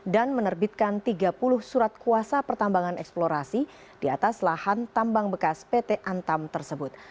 dan menerbitkan tiga puluh surat kuasa pertambangan eksplorasi di atas lahan tambang bekas pt antam tersebut